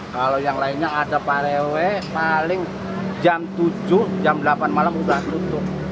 kalau yang lainnya ada parewe paling jam tujuh jam delapan malam sudah tutup